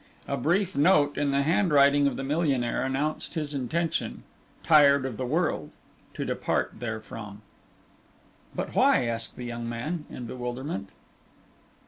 A brief note in the handwriting of the millionaire announced his intention, "tired of the world," to depart therefrom. "But why?" asked the young man, in bewilderment.